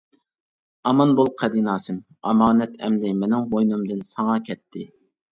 ئامان بول قەدىناسىم، ئامانەت ئەمدى مېنىڭ بوينۇمدىن ساڭا كەتتى.